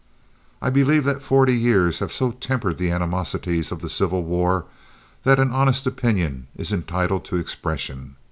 I believe that forty years have so tempered the animosities of the Civil War that an honest opinion is entitled to expression.